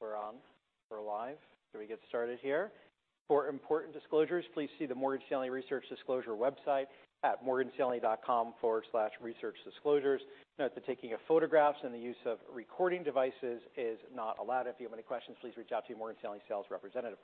We're on. We're live. We get started here. For important disclosures, please see the Morgan Stanley Research Disclosure website at morganstanley.com/researchdisclosures. Note that the taking of photographs and the use of recording devices is not allowed. If you have any questions, please reach out to your Morgan Stanley sales representative.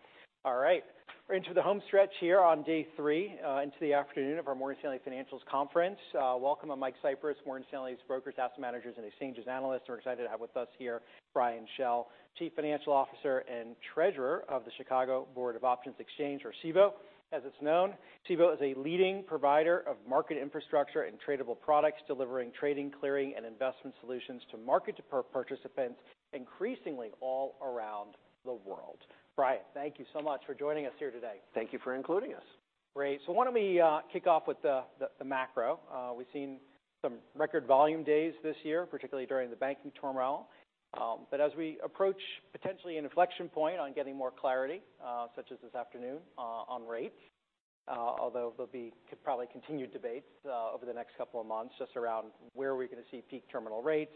All right, we're into the home stretch here on day three, into the afternoon of our Morgan Stanley Financials Conference. Welcome, I'm Michael Cyprys, Morgan Stanley's brokers, asset managers, and exchanges analyst. We're excited to have with us here Brian Schell, Chief Financial Officer and Treasurer of the Chicago Board of Options Exchange, or Cboe, as it's known. Cboe is a leading provider of market infrastructure and tradable products, delivering trading, clearing, and investment solutions to market participants, increasingly all around the world. Brian, thank you so much for joining us here today. Thank you for including us. Great. Why don't we kick off with the macro? We've seen some record volume days this year, particularly during the banking turmoil. As we approach potentially an inflection point on getting more clarity, such as this afternoon, on rates, although there'll be probably continued debates over the next couple of months, just around where are we gonna see peak terminal rates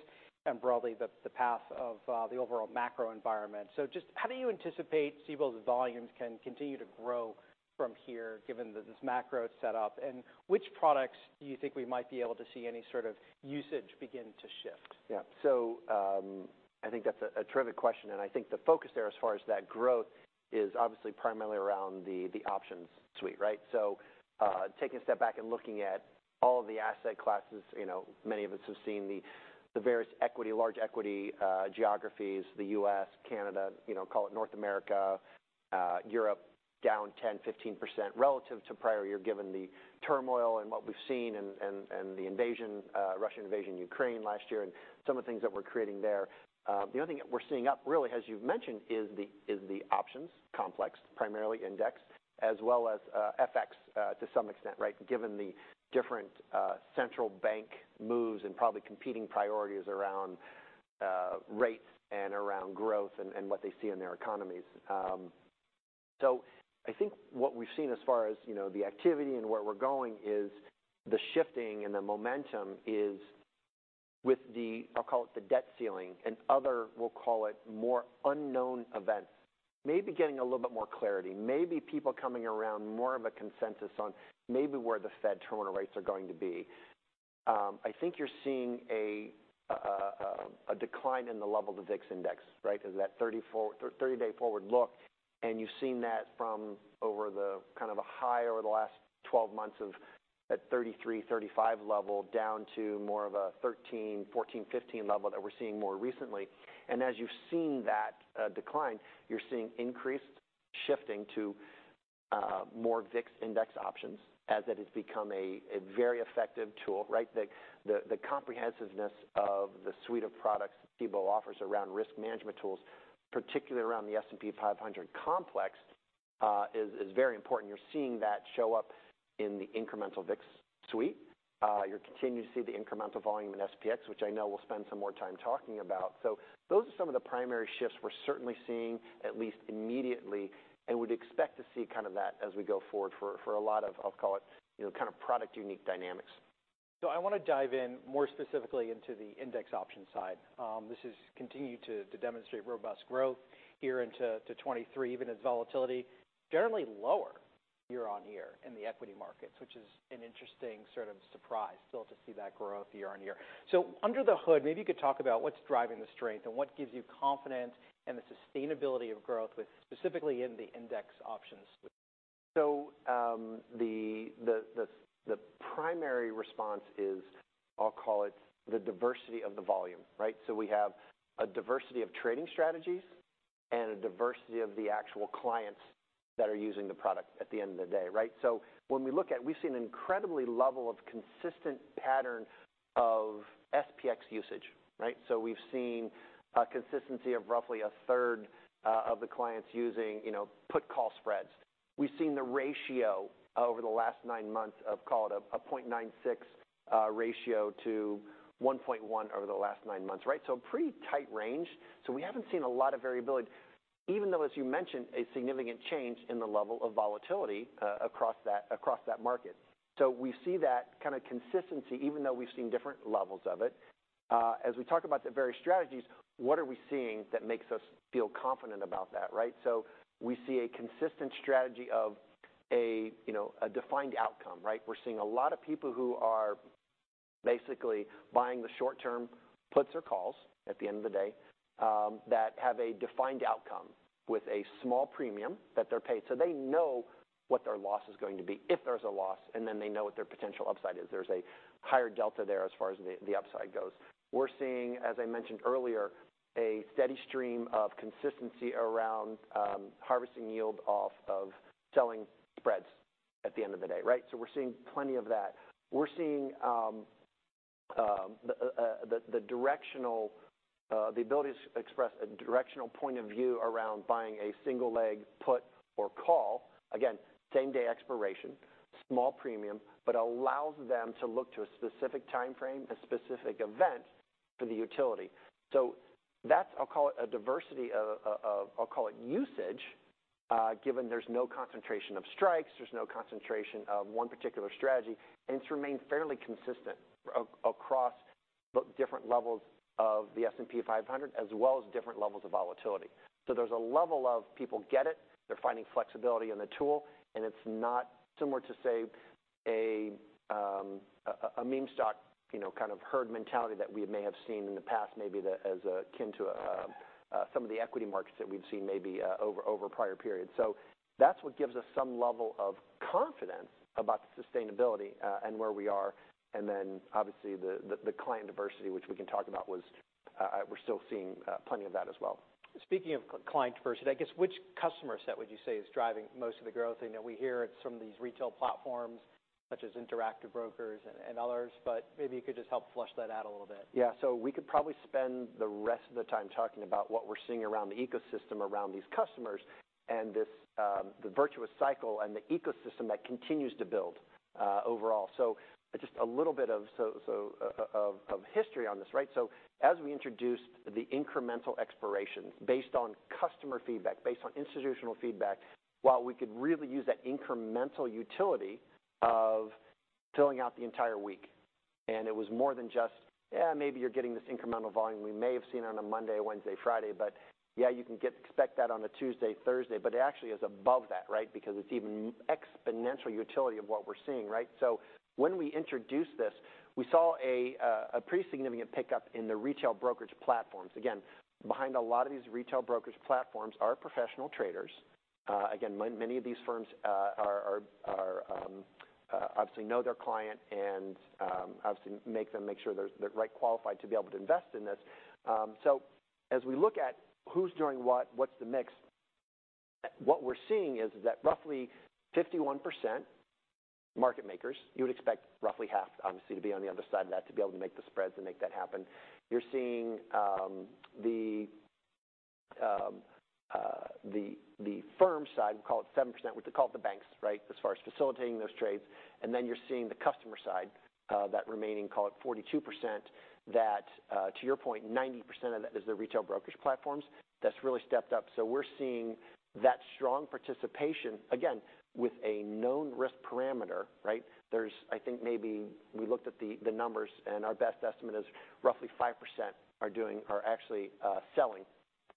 and broadly the path of the overall macro environment. Just how do you anticipate Cboe's volumes can continue to grow from here, given this macro setup? Which products do you think we might be able to see any sort of usage begin to shift? Yeah. I think that's a terrific question, and I think the focus there, as far as that growth, is obviously primarily around the options suite, right? Taking a step back and looking at all of the asset classes, you know, many of us have seen the various equity, large equity geographies, the U.S., Canada, you know, call it North America, Europe, down 10%-15% relative to prior year, given the turmoil and what we've seen and the invasion, Russian invasion in Ukraine last year and some of the things that we're creating there. The other thing that we're seeing up, really, as you've mentioned, is the options complex, primarily index, as well as FX to some extent, right? Given the different central bank moves and probably competing priorities around rates and around growth and what they see in their economies. I think what we've seen as far as, you know, the activity and where we're going, is the shifting and the momentum is with the, I'll call it, the debt ceiling and other, we'll call it, more unknown events. Maybe getting a little bit more clarity, maybe people coming around, more of a consensus on maybe where the Fed terminal rates are going to be. I think you're seeing a decline in the level of the VIX Index, right? Because that 30 for... 30-day forward look, and you've seen that from over the kind of a high over the last 12 months of that 33-35 level, down to more of a 13-15 level that we're seeing more recently. As you've seen that decline, you're seeing increased shifting to more VIX Index options as it has become a very effective tool, right? The, the comprehensiveness of the suite of products Cboe offers around risk management tools, particularly around the S&P 500 complex, is very important. You're seeing that show up in the incremental VIX suite. You're continuing to see the incremental volume in SPX, which I know we'll spend some more time talking about. Those are some of the primary shifts we're certainly seeing, at least immediately, and would expect to see kind of that as we go forward for a lot of, I'll call it, you know, kind of product-unique dynamics. I want to dive in more specifically into the index option side. This has continued to demonstrate robust growth here into 2023, even as volatility generally lower year-on-year in the equity markets, which is an interesting sort of surprise, still to see that growth year-on-year. Under the hood, maybe you could talk about what's driving the strength and what gives you confidence and the sustainability of growth specifically in the index options? The primary response is, I'll call it, the diversity of the volume, right? We have a diversity of trading strategies and a diversity of the actual clients that are using the product at the end of the day, right? When we look at We've seen an incredibly level of consistent pattern of SPX usage, right? We've seen a consistency of roughly a third of the clients using, you know, put call spreads. We've seen the ratio over the last nine months of, call it, a 0.96 ratio to 1.1 over the last nine months, right? A pretty tight range. We haven't seen a lot of variability, even though, as you mentioned, a significant change in the level of volatility across that market. We see that kind of consistency, even though we've seen different levels of it. As we talk about the various strategies, what are we seeing that makes us feel confident about that, right? We see a consistent strategy of a, you know, a defined outcome, right? We're seeing a lot of people who are basically buying the short-term puts or calls at the end of the day, that have a defined outcome with a small premium that they're paid. They know what their loss is going to be, if there's a loss, and then they know what their potential upside is. There's a higher delta there as far as the upside goes. We're seeing, as I mentioned earlier, a steady stream of consistency around harvesting yield off of selling spreads at the end of the day, right? We're seeing plenty of that. We're seeing the directional ability to express a directional point of view around buying a single-leg put or call. Again, same-day expiration, small premium, but allows them to look to a specific time frame, a specific event for the utility. That's, I'll call it, a diversity of, I'll call it, usage given there's no concentration of strikes, there's no concentration of one particular strategy, and it's remained fairly consistent across both different levels of the S&P 500, as well as different levels of volatility. There's a level of people get it, they're finding flexibility in the tool, and it's not similar to, say, a meme stock, you know, kind of, herd mentality that we may have seen in the past, maybe the, as akin to some of the equity markets that we've seen maybe over prior periods. That's what gives us some level of confidence about the sustainability and where we are. Then obviously, the client diversity, which we can talk about, was, we're still seeing plenty of that as well. Speaking of client diversity, I guess, which customer set would you say is driving most of the growth? I know we hear it's from these retail platforms such as Interactive Brokers and others, but maybe you could just help flush that out a little bit. We could probably spend the rest of the time talking about what we're seeing around the ecosystem, around these customers, and this, the virtuous cycle and the ecosystem that continues to build overall. Just a little bit of history on this, right? As we introduce the incremental expiration based on customer feedback, based on institutional feedback, while we could really use that incremental utility of filling out the entire week, and it was more than just, yeah, maybe you're getting this incremental volume we may have seen on a Monday, Wednesday, Friday, but yeah, you can expect that on a Tuesday, Thursday. It actually is above that, right? Because it's even exponential utility of what we're seeing, right? When we introduced this, we saw a pretty significant pickup in the retail brokerage platforms. Again, behind a lot of these retail brokerage platforms are professional traders. Again, many of these firms are obviously know their client and obviously make sure they're right qualified to be able to invest in this. So as we look at who's doing what's the mix? What we're seeing is that roughly 51% market makers, you would expect roughly half, obviously, to be on the other side of that, to be able to make the spreads and make that happen. You're seeing the firm side, we call it 7%, we call it the banks, right? As far as facilitating those trades. Then you're seeing the customer side, that remaining, call it 42%, that to your point, 90% of that is the retail brokerage platforms. That's really stepped up. We're seeing that strong participation, again, with a known risk parameter, right? I think maybe we looked at the numbers, and our best estimate is roughly 5% are actually selling,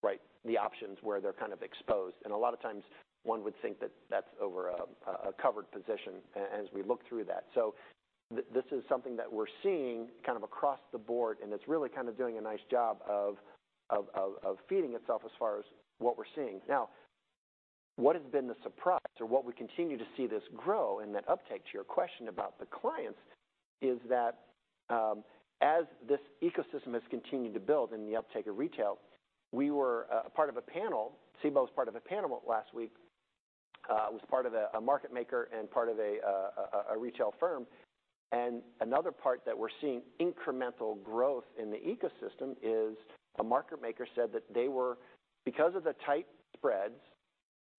right? The options where they're kind of exposed. A lot of times one would think that that's over a covered position as we look through that. This is something that we're seeing kind of across the board, and it's really kind of doing a nice job of feeding itself as far as what we're seeing. What has been the surprise or what we continue to see this grow and that uptake to your question about the clients, is that as this ecosystem has continued to build in the uptake of retail, we were a part of a panel. Cboe was part of a panel last week, was part of a market maker and part of a retail firm. Another part that we're seeing incremental growth in the ecosystem is a market maker, said that they were because of the tight spreads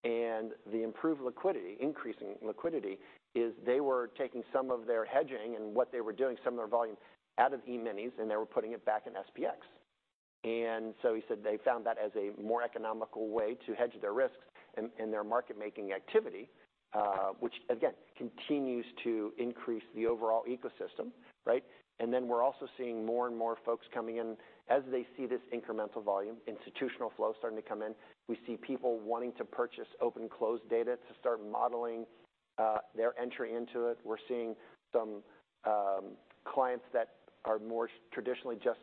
and the improved liquidity, increasing liquidity, is they were taking some of their hedging and what they were doing, some of their volume out of E-minis, and they were putting it back in SPX. He said they found that as a more economical way to hedge their risks in their market-making activity, which again, continues to increase the overall ecosystem, right? We're also seeing more and more folks coming in as they see this incremental volume, institutional flow starting to come in. We see people wanting to purchase Open-Close Data to start modeling their entry into it. We're seeing some clients that are more traditionally just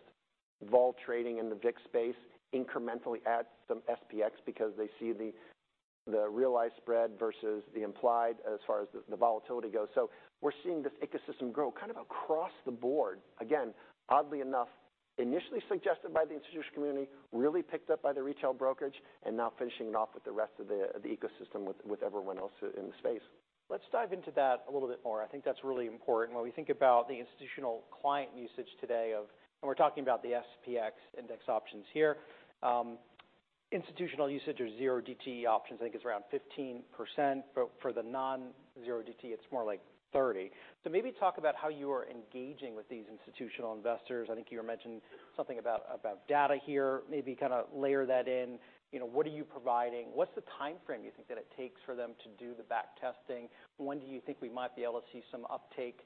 vol trading in the VIX space, incrementally add some SPX because they see the realized spread versus the implied as far as the volatility goes. We're seeing this ecosystem grow kind of across the board. Again, oddly enough, initially suggested by the institution community, really picked up by the retail brokerage and now finishing it off with the rest of the ecosystem, with everyone else in the space. Let's dive into that a little bit more. I think that's really important. When we think about the institutional client usage today When we're talking about the SPX index options here, institutional usage or 0DTE options, I think it's around 15%, but for the non-0DTE, it's more like 30. Maybe talk about how you are engaging with these institutional investors. I think you mentioned something about data here. Maybe kind of layer that in. You know, what are you providing? What's the timeframe you think that it takes for them to do the back testing? When do you think we might be able to see some uptake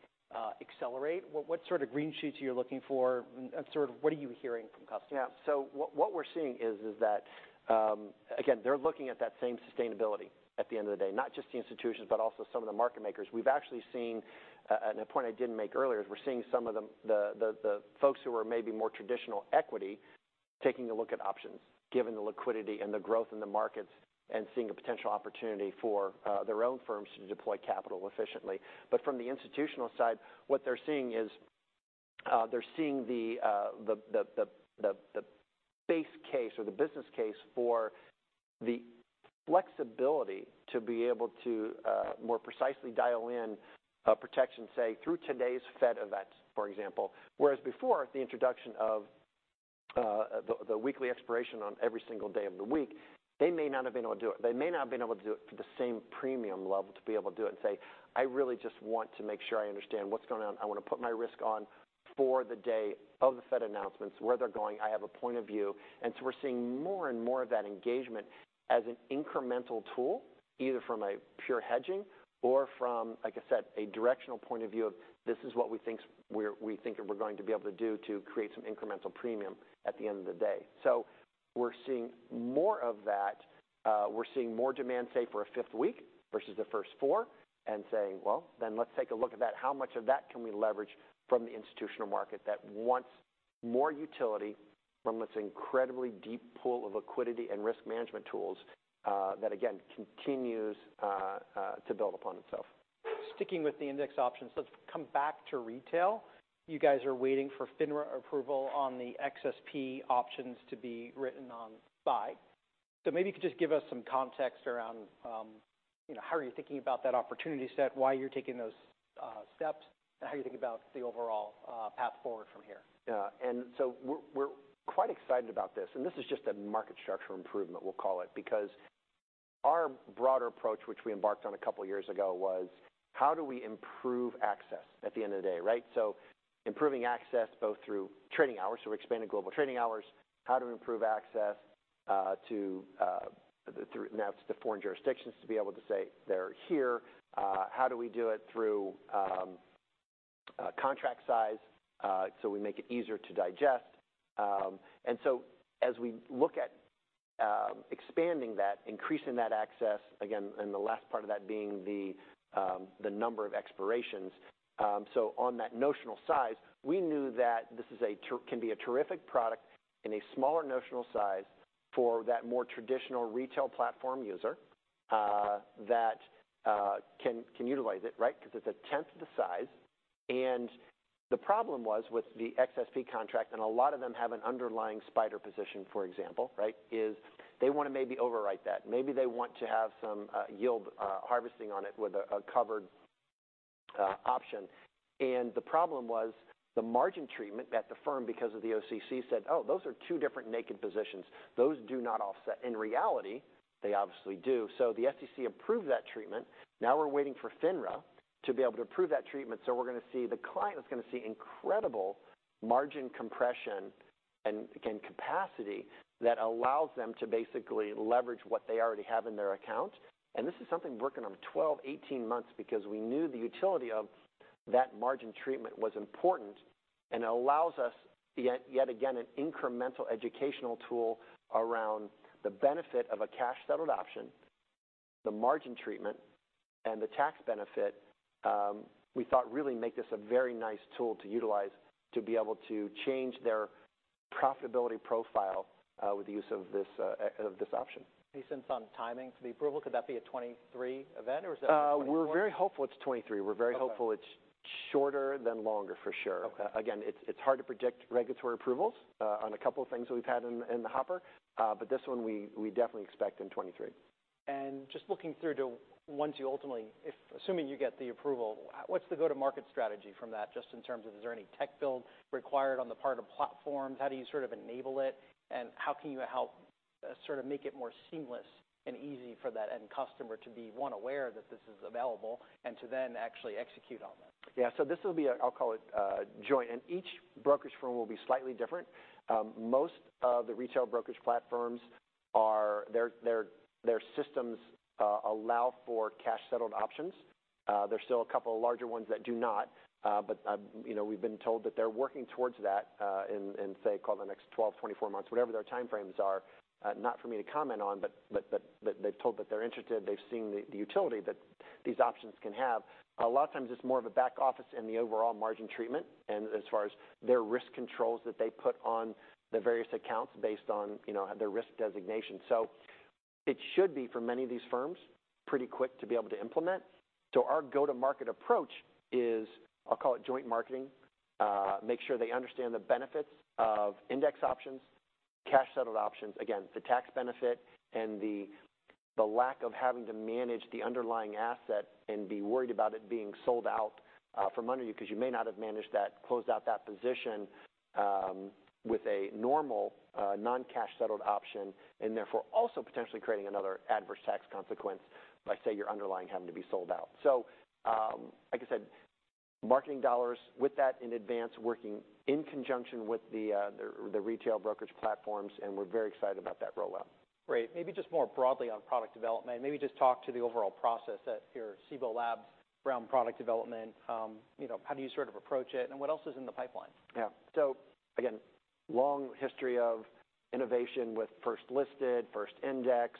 accelerate? What sort of green sheets are you looking for, and sort of what are you hearing from customers? Yeah, what we're seeing is that, again, they're looking at that same sustainability at the end of the day. Not just the institutions, but also some of the market makers. We've actually seen, and a point I didn't make earlier, is we're seeing some of the folks who are maybe more traditional equity, taking a look at options, given the liquidity and the growth in the markets and seeing a potential opportunity for their own firms to deploy capital efficiently. From the institutional side, what they're seeing is they're seeing the base case or the business case for the flexibility to be able to more precisely dial in protection, say, through today's Fed event, for example. Whereas before, the introduction of the weekly expiration on every single day of the week, they may not have been able to do it. They may not have been able to do it. Same premium level to be able to do it and say, "I really just want to make sure I understand what's going on. I want to put my risk on for the day of the Fed announcements, where they're going. I have a point of view." We're seeing more and more of that engagement as an incremental tool, either from a pure hedging or from, like I said, a directional point of view of this is what we think we're going to be able to do to create some incremental premium at the end of the day. We're seeing more of that. We're seeing more demand, say, for a 5th week versus the first 4, and saying, Well, then let's take a look at that. How much of that can we leverage from the institutional market that wants more utility from this incredibly deep pool of liquidity and risk management tools, that, again, continues to build upon itself? Sticking with the index options, let's come back to retail. You guys are waiting for FINRA approval on the XSP options to be written on by. Maybe you could just give us some context around, you know, how are you thinking about that opportunity set, why you're taking those steps, and how are you thinking about the overall path forward from here? Yeah, we're quite excited about this, and this is just a market structural improvement, we'll call it, because our broader approach, which we embarked on a couple of years ago, was: How do we improve access at the end of the day, right? Improving access both through trading hours, so we're expanding global trading hours. How to improve access to Now, it's the foreign jurisdictions to be able to say they're here? How do we do it through contract size, so we make it easier to digest? As we look at expanding that, increasing that access, again, and the last part of that being the number of expirations. On that notional size, we knew that this can be a terrific product in a smaller notional size for that more traditional retail platform user that can utilize it, right? Because it's a tenth of the size. The problem was with the XSP contract, and a lot of them have an underlying SPDR position, for example, right? Is they want to maybe overwrite that. Maybe they want to have some yield harvesting on it with a covered option. The problem was the margin treatment that the firm, because of the OCC, said, "Oh, those are two different naked positions. Those do not offset." In reality, they obviously do. The SEC approved that treatment. Now we're waiting for FINRA to be able to approve that treatment. We're going to see... The client is going to see incredible margin compression and, again, capacity that allows them to basically leverage what they already have in their account. This is something working on 12, 18 months because we knew the utility of that margin treatment was important and allows us, yet again, an incremental educational tool around the benefit of a cash-settled option, the margin treatment, and the tax benefit, we thought really make this a very nice tool to utilize to be able to change their profitability profile, with the use of this option. Any sense on timing for the approval? Could that be a 2023 event, or is that 2024? We're very hopeful it's 2023. Okay. We're very hopeful it's shorter than longer, for sure. Okay. It's hard to predict regulatory approvals on a couple of things that we've had in the hopper, but this one we definitely expect in 2023. Just looking through to once you ultimately assuming you get the approval, what's the go-to-market strategy from that, just in terms of is there any tech build required on the part of platforms? How do you sort of enable it, and how can you help sort of make it more seamless and easy for that end customer to be, one, aware that this is available, and to then actually execute on that? Yeah. This will be a, I'll call it, joint, and each brokerage firm will be slightly different. Most of the retail brokerage platforms their systems allow for cash-settled options. There's still a couple of larger ones that do not, but, you know, we've been told that they're working towards that, in, say, call it the next 12, 24 months, whatever their time frames are, not for me to comment on, but they've told that they're interested, they've seen the utility that these options can have. A lot of times it's more of a back office and the overall margin treatment, and as far as their risk controls that they put on the various accounts based on, you know, their risk designation. It should be, for many of these firms, pretty quick to be able to implement. Our go-to-market approach is, I'll call it, joint marketing. Make sure they understand the benefits of index options, cash-settled options, again, the tax benefit and the lack of having to manage the underlying asset and be worried about it being sold out from under you, because you may not have managed that, closed out that position, with a normal non-cash settled option, and therefore, also potentially creating another adverse tax consequence by, say, your underlying having to be sold out. Like I said, marketing dollars with that in advance, working in conjunction with the retail brokerage platforms. We're very excited about that rollout. Great. Maybe just more broadly on product development, maybe just talk to the overall process at your Cboe Labs around product development. You know, how do you sort of approach it, and what else is in the pipeline? Yeah. Again, long history of innovation with first listed, first index,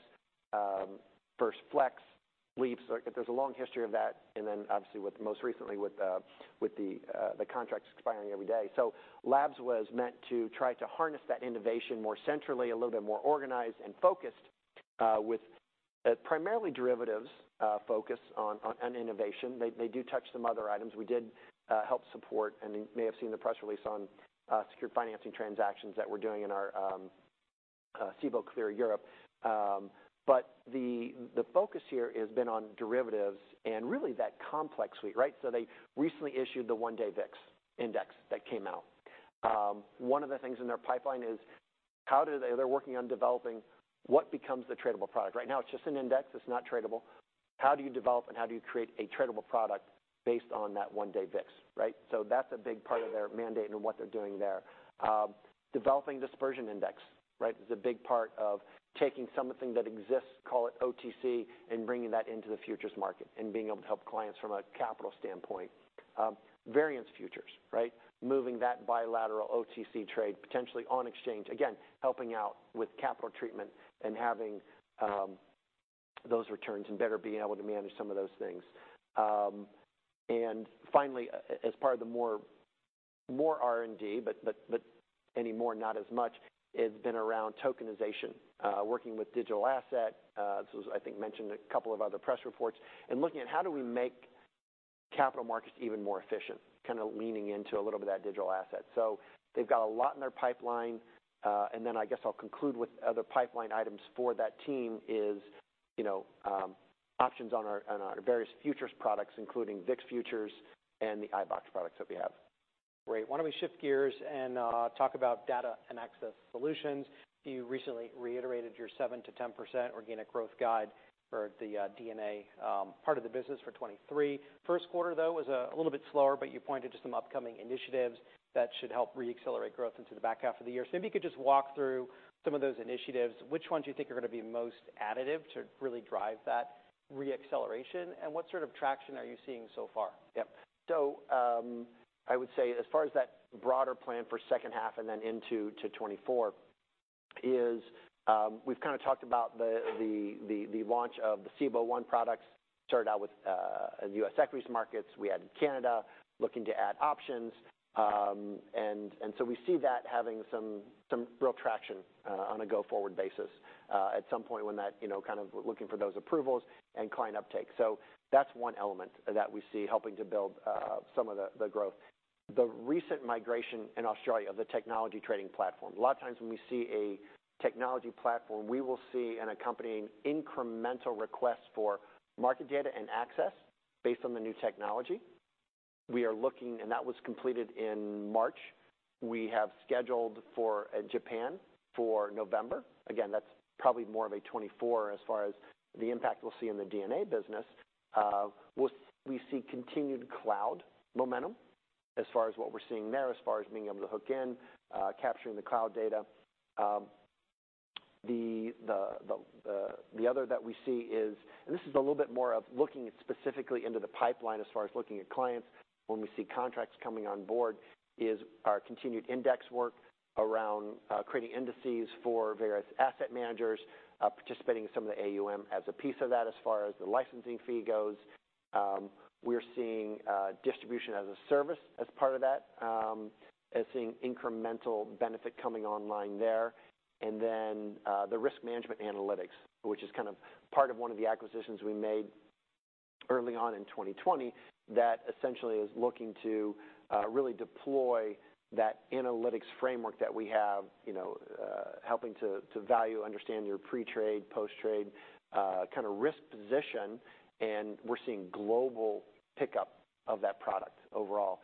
first FLEX LEAPS. There's a long history of that, and then obviously, with most recently with the contracts expiring every day. Labs was meant to try to harness that innovation more centrally, a little bit more organized and focused, with primarily derivatives focus on an innovation. They do touch some other items. We did help support, and you may have seen the press release on secured financing transactions that we're doing in our Cboe Clear Europe. But the focus here has been on derivatives and really that complex suite, right? They recently issued the One Day VIX Index that came out. One of the things in their pipeline is... How they're working on developing what becomes the tradable product? Right now, it's just an index, it's not tradable. How do you develop and how do you create a tradable product based on that one-day VIX, right? That's a big part of their mandate and what they're doing there. Developing Dispersion Index, right, is a big part of taking something that exists, call it OTC, and bringing that into the futures market, and being able to help clients from a capital standpoint. Variance Futures, right? Moving that bilateral OTC trade potentially on exchange. Again, helping out with capital treatment and having those returns and better being able to manage some of those things. Finally, as part of the more R&D, but anymore, not as much, it's been around tokenization, working with digital asset. This was, I think, mentioned in a couple of other press reports, looking at how do we make capital markets even more efficient, kind of leaning into a little bit of that digital asset. They've got a lot in their pipeline. Then I guess I'll conclude with other pipeline items for that team is, you know, options on our, on our various futures products, including VIX futures and the iBoxx products that we have. Great. Why don't we shift gears and talk about data and access solutions. You recently reiterated your 7%-10% organic growth guide for the DNA part of the business for 2023. First quarter, though, was a little bit slower, you pointed to some upcoming initiatives that should help reaccelerate growth into the back half of the year. Maybe you could just walk through some of those initiatives. Which ones you think are going to be most additive to really drive that reacceleration, and what sort of traction are you seeing so far? Yep. I would say as far as that broader plan for second half and then into 2024 is, we've kind of talked about the launch of the Cboe One products. Started out with U.S. equities markets. We added Canada, looking to add options. We see that having real traction on a go-forward basis. At some point when that, you know, kind of looking for those approvals and client uptake. That's one element that we see helping to build some of the growth. The recent migration in Australia of the technology trading platform. A lot of times when we see a technology platform, we will see an accompanying incremental request for market data and access based on the new technology. We are looking. That was completed in March. We have scheduled for Japan for November. Again, that's probably more of a 2024 as far as the impact we'll see in the DNA business. We see continued cloud momentum as far as what we're seeing there, as far as being able to hook in, capturing the cloud data. The other that we see is... And this is a little bit more of looking specifically into the pipeline as far as looking at clients when we see contracts coming on board, is our continued index work around, creating indices for various asset managers, participating in some of the AUM as a piece of that, as far as the licensing fee goes. We're seeing distribution as a service as part of that, and seeing incremental benefit coming online there. The risk management analytics, which is kind of part of one of the acquisitions we made early on in 2020, that essentially is looking to really deploy that analytics framework that we have, you know, helping to value, understand your pre-trade, post-trade kind of risk position, and we're seeing global pickup of that product overall.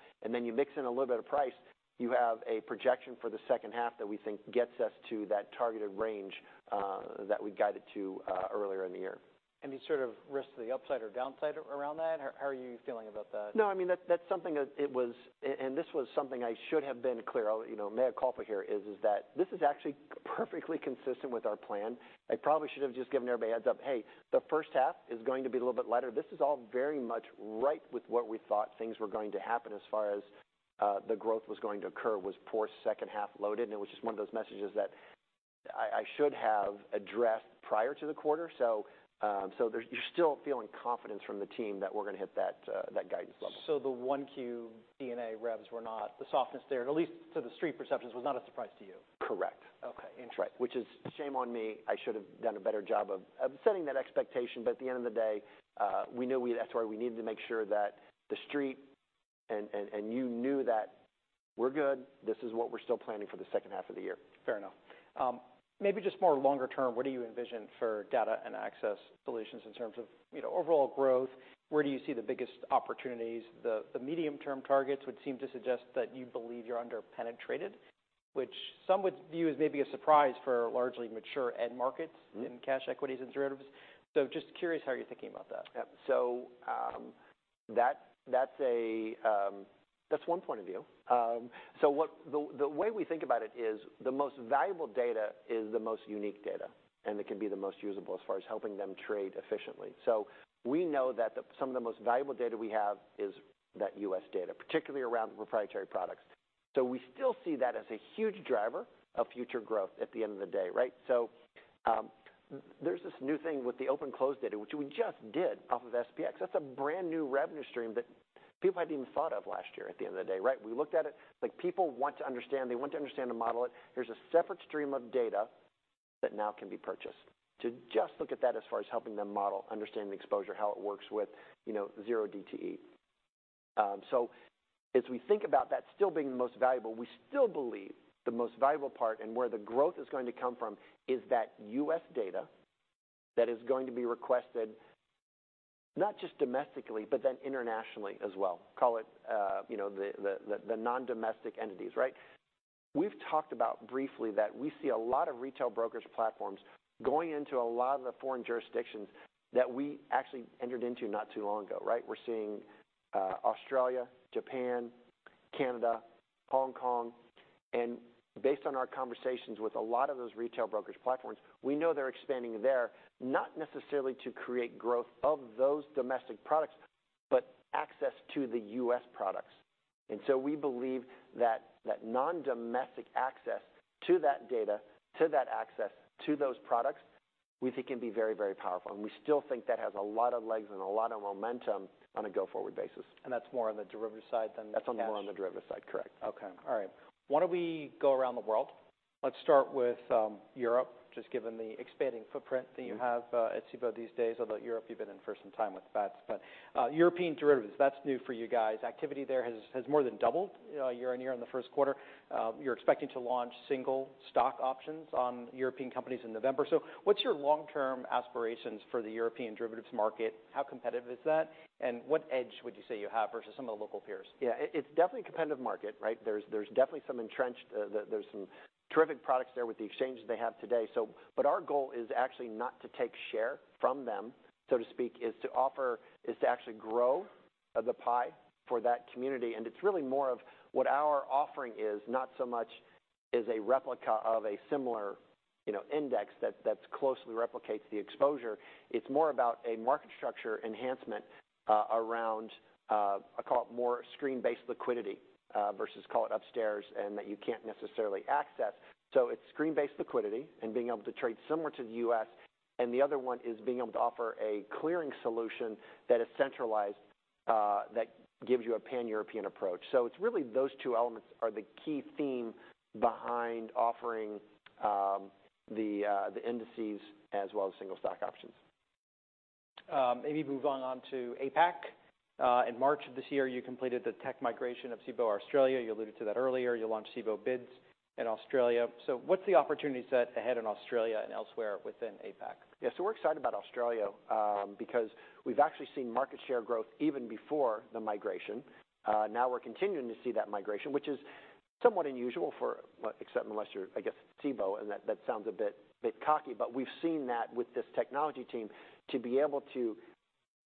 You mix in a little bit of price, you have a projection for the second half that we think gets us to that targeted range that we guided to earlier in the year. Any sort of risk to the upside or downside around that, or how are you feeling about that? No, I mean, that's something that it was. This was something I should have been clear. You know, mea culpa here is that this is actually perfectly consistent with our plan. I probably should have just given everybody a heads-up, "Hey, the first half is going to be a little bit lighter." This is all very much right with what we thought things were going to happen as far as the growth was going to occur, was poor second half loaded, and it was just one of those messages that I should have addressed prior to the quarter. There's still feeling confidence from the team that we're going to hit that guidance level. The softness there, at least to the street perceptions, was not a surprise to you? Correct. Okay, interesting. Which is shame on me. I should have done a better job of setting that expectation. At the end of the day, we knew that's why we needed to make sure that the street, and you knew that we're good. This is what we're still planning for the second half of the year. Fair enough. Maybe just more longer term, what do you envision for data and access solutions in terms of, you know, overall growth? Where do you see the biggest opportunities? The medium-term targets would seem to suggest that you believe you're under-penetrated, which some would view as maybe a surprise for largely mature end markets... Mm-hmm. in cash, equities, and derivatives. Just curious how you're thinking about that. Yep. That's one point of view. The way we think about it is, the most valuable data is the most unique data, and it can be the most usable as far as helping them trade efficiently. We know that some of the most valuable data we have is that U.S. data, particularly around proprietary products. We still see that as a huge driver of future growth at the end of the day, right? There's this new thing with the Open-Close Data, which we just did off of SPX. That's a brand-new revenue stream that people hadn't even thought of last year at the end of the day, right? We looked at it, like, people want to understand. They want to understand and model it. Here's a separate stream of data that now can be purchased to just look at that as far as helping them model, understand the exposure, how it works with, you know, 0DTE. As we think about that still being the most valuable, we still believe the most valuable part and where the growth is going to come from is that U.S. data that is going to be requested not just domestically, but then internationally as well. Call it, you know, the non-domestic entities, right? We've talked about briefly that we see a lot of retail brokers platforms going into a lot of the foreign jurisdictions that we actually entered into not too long ago, right? We're seeing, Australia, Japan, Canada, Hong Kong, and based on our conversations with a lot of those retail brokers platforms, we know they're expanding there, not necessarily to create growth of those domestic products, but access to the U.S. products. We believe that non-domestic access to that data, to that access, to those products, we think can be very, very powerful. We still think that has a lot of legs and a lot of momentum on a go-forward basis. That's more on the derivative side than the. That's on the more on the derivative side, correct? Okay, all right. Why don't we go around the world? Let's start with Europe, just given the expanding footprint that you have at Cboe these days, although Europe, you've been in for some time with Bats. European derivatives, that's new for you guys. Activity there has more than doubled year-on-year in the first quarter. You're expecting to launch single stock options on European companies in November. What's your long-term aspirations for the European derivatives market? How competitive is that, and what edge would you say you have versus some of the local peers? Yeah, it's definitely a competitive market, right? There's definitely some entrenched. There's some terrific products there with the exchanges they have today. Our goal is actually not to take share from them, so to speak, is to actually grow the pie for that community. It's really more of what our offering is, not so much as a replica of a similar, you know, index that closely replicates the exposure. It's more about a market structure enhancement around I call it more screen-based liquidity versus call it upstairs, and that you can't necessarily access. It's screen-based liquidity and being able to trade similar to the U.S., and the other one is being able to offer a clearing solution that is centralized that gives you a Pan-European approach. It's really those two elements are the key theme behind offering, the indices as well as single stock options. Maybe moving on to APAC. In March of this year, you completed the tech migration of Cboe Australia. You alluded to that earlier. You launched Cboe BIDS in Australia. What's the opportunity set ahead in Australia and elsewhere within APAC? We're excited about Australia, because we've actually seen market share growth even before the migration. Now we're continuing to see that migration, which is somewhat unusual for, well, except unless you're, I guess, Cboe, and that sounds a bit cocky. We've seen that with this technology team, to be able to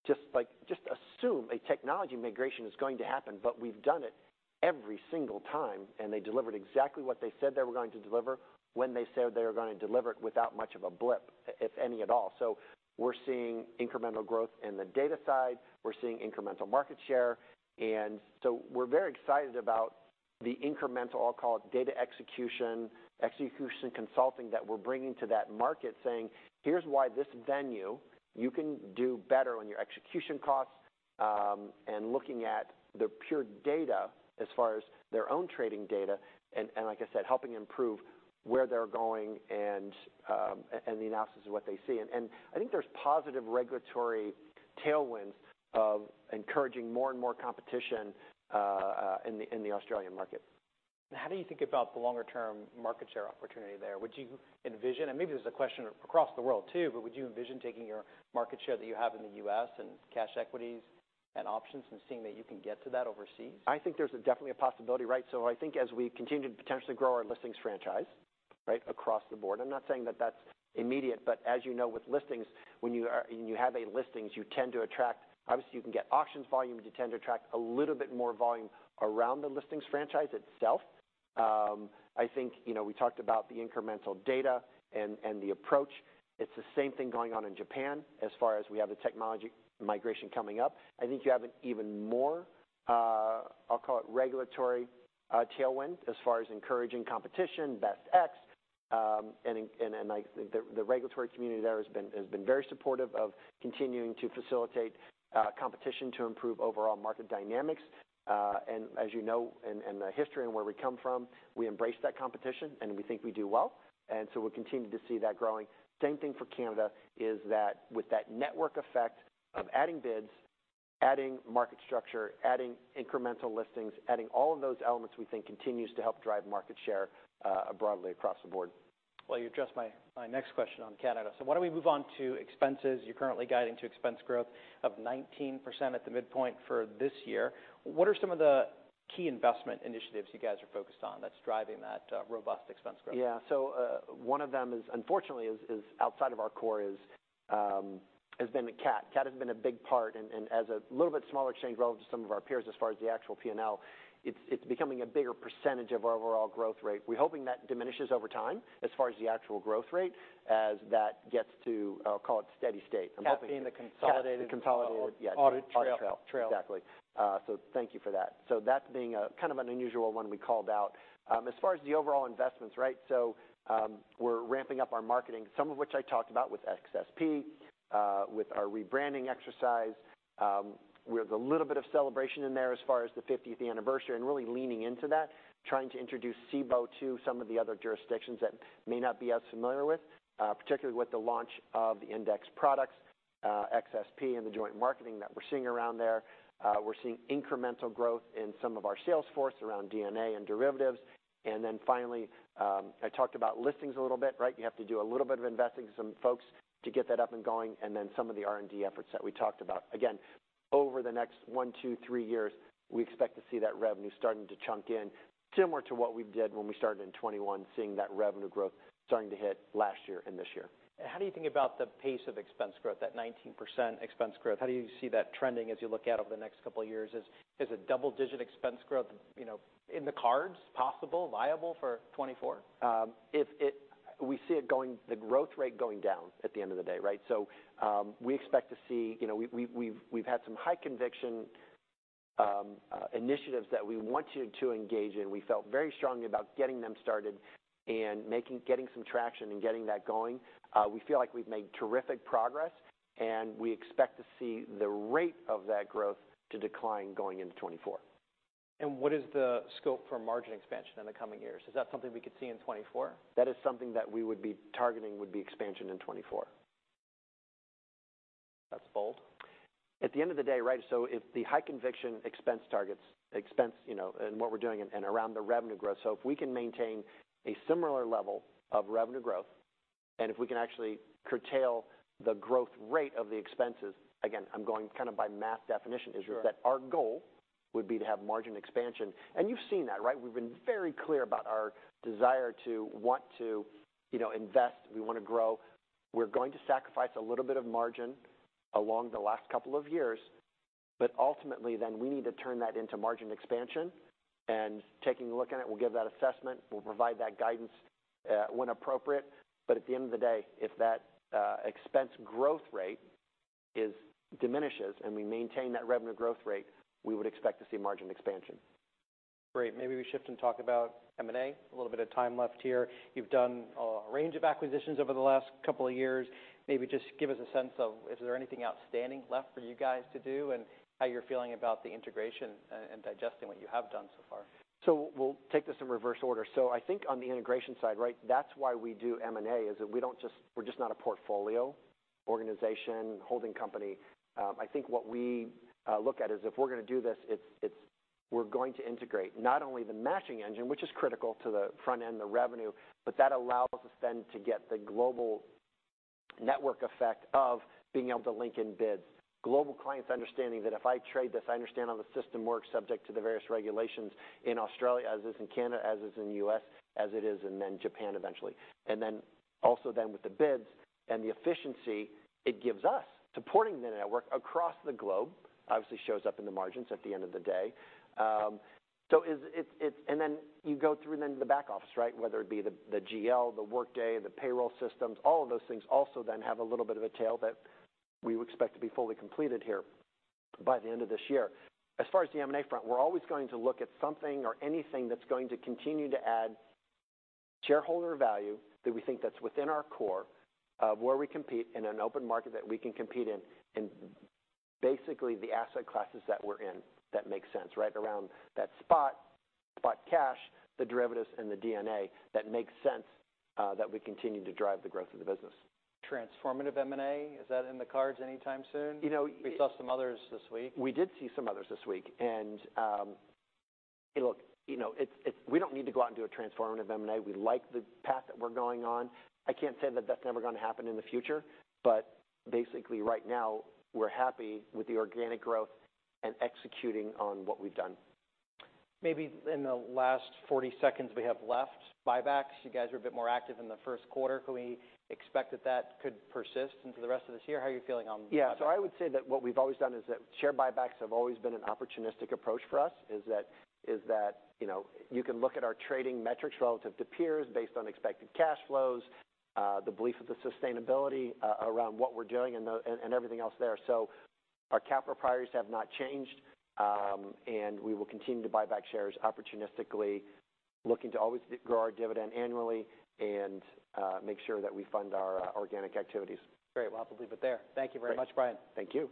just like, assume a technology migration is going to happen, but we've done it every single time, and they delivered exactly what they said they were going to deliver, when they said they were going to deliver it, without much of a blip, if any, at all. We're seeing incremental growth in the data side. We're seeing incremental market share, we're very excited about the incremental, I'll call it data execution consulting, that we're bringing to that market, saying, "Here's why this venue, you can do better on your execution costs," and looking at the pure data as far as their own trading data, and like I said, helping improve where they're going and the analysis of what they see. I think there's positive regulatory tailwinds of encouraging more and more competition in the Australian market. How do you think about the longer-term market share opportunity there? Would you envision, and maybe this is a question across the world, too, but would you envision taking your market share that you have in the U.S. and cash equities and options and seeing that you can get to that overseas? I think there's definitely a possibility, right? I think as we continue to potentially grow our listings franchise, right, across the board, I'm not saying that that's immediate, but as you know, with listings, when you have a listings, you tend to attract. Obviously, you can get options volume, you tend to attract a little bit more volume around the listings franchise itself. I think, you know, we talked about the incremental data and the approach. It's the same thing going on in Japan as far as we have the technology migration coming up. I think you have an even more, I'll call it regulatory, tailwind, as far as encouraging competition, Best X. And the regulatory community there has been very supportive of continuing to facilitate competition to improve overall market dynamics. As you know, and the history and where we come from, we embrace that competition, and we think we do well, and so we're continuing to see that growing. Same thing for Canada, is that with that network effect of adding BIDS, adding market structure, adding incremental listings, adding all of those elements, we think continues to help drive market share broadly across the board. Well, you addressed my next question on Canada. Why don't we move on to expenses? You're currently guiding to expense growth of 19% at the midpoint for this year. What are some of the key investment initiatives you guys are focused on that's driving that robust expense growth? Yeah. One of them is, unfortunately, is outside of our core, is has been with CAT. CAT has been a big part, and as a little bit smaller exchange relative to some of our peers, as far as the actual PNL, it's becoming a bigger percentage of our overall growth rate. We're hoping that diminishes over time as far as the actual growth rate, as that gets to call it steady state. CAT being the Consolidated- The consolidated, yes. Audit trail. Exactly. Thank you for that. That being a, kind of an unusual one we called out. As far as the overall investments, right, we're ramping up our marketing, some of which I talked about with XSP, with our rebranding exercise. We have a little bit of celebration in there as far as the 50th anniversary and really leaning into that, trying to introduce Cboe to some of the other jurisdictions that may not be as familiar with, particularly with the launch of the index products, XSP and the joint marketing that we're seeing around there. We're seeing incremental growth in some of our sales force around DNA and derivatives. Finally, I talked about listings a little bit, right? You have to do a little bit of investing with some folks to get that up and going, and then some of the R&D efforts that we talked about. Again, over the next one, two, three years, we expect to see that revenue starting to chunk in, similar to what we did when we started in 2021, seeing that revenue growth starting to hit last year and this year. How do you think about the pace of expense growth, that 19% expense growth? How do you see that trending as you look out over the next couple of years? Is a double-digit expense growth, you know, in the cards, possible, viable for 2024? We see the growth rate going down at the end of the day, right? We expect to see, you know, we've had some high conviction initiatives that we wanted to engage in. We felt very strongly about getting them started and getting some traction and getting that going. We feel like we've made terrific progress, and we expect to see the rate of that growth to decline going into 2024. What is the scope for margin expansion in the coming years? Is that something we could see in 2024? That is something that we would be targeting, would be expansion in 2024. That's bold. At the end of the day, right? If the high conviction expense targets, you know, and what we're doing and around the revenue growth. If we can maintain a similar level of revenue growth, and if we can actually curtail the growth rate of the expenses. Again, I'm going kind of by math definition. Sure. is that our goal would be to have margin expansion. You've seen that, right? We've been very clear about our desire to want to, you know, invest. We want to grow. We're going to sacrifice a little bit of margin along the last couple of years, but ultimately, then we need to turn that into margin expansion. Taking a look at it, we'll give that assessment, we'll provide that guidance, when appropriate. At the end of the day, if that expense growth rate diminishes and we maintain that revenue growth rate, we would expect to see margin expansion. Great. Maybe we shift and talk about M&A. A little bit of time left here. You've done a range of acquisitions over the last couple of years. Maybe just give us a sense of, is there anything outstanding left for you guys to do, and how you're feeling about the integration, and digesting what you have done so far? We'll take this in reverse order. I think on the integration side, right, that's why we do M&A, is that we're just not a portfolio organization, holding company. I think what we look at is if we're gonna do this, it's we're going to integrate not only the matching engine, which is critical to the front end, the revenue, but that allows us then to get the global network effect of being able to link in BIDS. Global clients understanding that if I trade this, I understand how the system works, subject to the various regulations in Australia, as is in Canada, as is in the U.S., as it is, and then Japan eventually. Also then with the BIDS and the efficiency it gives us, supporting the network across the globe obviously shows up in the margins at the end of the day. You go through then the back office, right? Whether it be the GL, the Workday, the payroll systems, all of those things also then have a little bit of a tail that we would expect to be fully completed here by the end of this year. As far as the M&A front, we're always going to look at something or anything that's going to continue to add shareholder value, that we think that's within our core, where we compete in an open market, that we can compete in, and basically, the asset classes that we're in, that make sense, right? Around that spot cash, the derivatives and the DNA that makes sense, that we continue to drive the growth of the business. Transformative M&A, is that in the cards anytime soon? You know. We saw some others this week. We did see some others this week, and, hey, look, you know, we don't need to go out and do a transformative M&A. We like the path that we're going on. I can't say that that's never gonna happen in the future, but basically right now, we're happy with the organic growth and executing on what we've done. Maybe in the last 40 seconds we have left, buybacks. You guys were a bit more active in the first quarter. Can we expect that that could persist into the rest of this year? How are you feeling on. Yeah. I would say that what we've always done is that share buybacks have always been an opportunistic approach for us, is that, you know, you can look at our trading metrics relative to peers based on expected cash flows, the belief of the sustainability around what we're doing and everything else there. Our capital priorities have not changed. We will continue to buy back shares opportunistically, looking to always grow our dividend annually and make sure that we fund our organic activities. Great. Well, I'll have to leave it there. Thank you very much, Brian. Thank you.